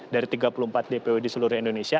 dari tiga puluh empat dpw di seluruh indonesia